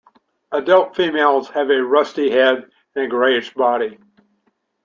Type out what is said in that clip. Adult females have a rusty head and a greyish body.